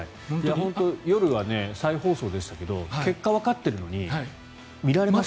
夜は再放送でしたけど結果わかっているのに見られましたね。